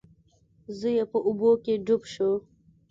زوی یې په اوبو کې ډوب شو.